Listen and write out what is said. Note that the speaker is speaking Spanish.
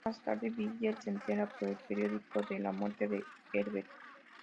Más tarde, Villiers se entera por el periódico de la muerte de Herbert.